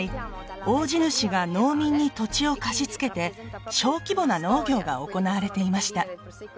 大地主が農民に土地を貸し付けて小規模な農業が行われていました